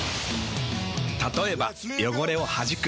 たとえば汚れをはじく。